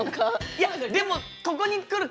いやでもここに来るか